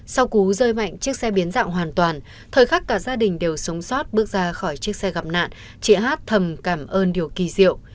sau cú rơi mạnh chiếc xe biến dạng hoàn toàn thời khắc cả gia đình đều sống sót bước ra khỏi chiếc xe gặp nạn chị hát thầm cảm ơn điều kỳ diệu